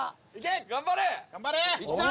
・頑張れ！